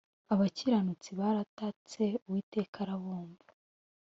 abakiranutsi baratatse uwiteka arabumva,